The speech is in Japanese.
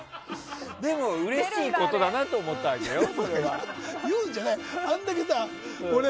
でもうれしいことだなと思ったわけでしょ、それは。